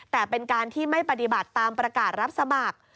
แต่เป็นการที่ไม่ปฏิบัติตามประกาศรับสมัคร